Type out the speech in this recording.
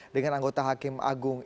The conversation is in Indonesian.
dengan anggota hakim agung